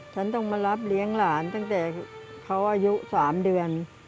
ฉันต้องมารับเลี้ยงหลานตั้งแต่เขาอายุ๓เดือน